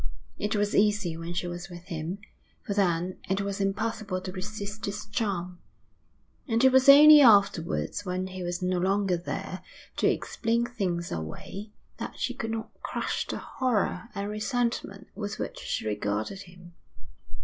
It was easy when she was with him, for then it was impossible to resist his charm; and it was only afterwards, when he was no longer there to explain things away, that she could not crush the horror and resentment with which she regarded him.